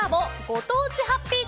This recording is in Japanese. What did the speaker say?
ご当地ハッピー